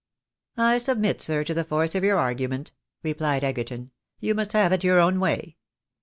" I submit, sir, to the force of your argument," replied Egerton ;" you must have it your own way."